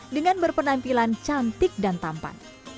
dengan berpenampilan cantik dan tampan